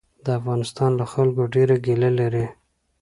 د افغانستان له خلکو ډېره ګیله لري.